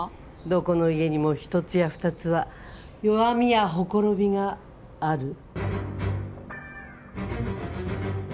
どこの家にも１つや２つは弱みやほころびがある。